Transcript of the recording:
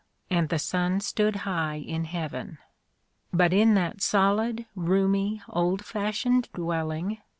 and the sun stood high in heaven. But in that solid, roomy, old fashioned dwelling.